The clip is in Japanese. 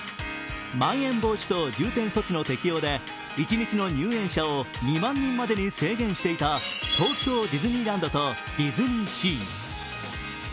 まん延防止等重点措置の適用で一日の入園者を２万人までに制限していた東京ディズニーランドとディズニーシー。